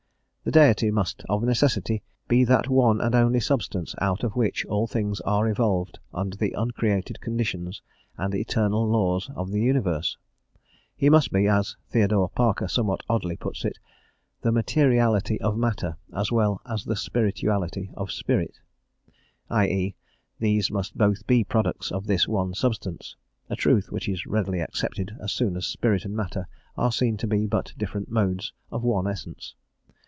The Deity must of necessity be that one and only substance out of which all things are evolved under the uncreated conditions and eternal laws of the universe; he must be, as Theodore Parker somewhat oddly puts it, "the materiality of matter, as well as the spirituality of spirit;" i e., these must both be products of this one substance: a truth which is readily accepted as soon as spirit and matter are seen to be but different modes of one essence.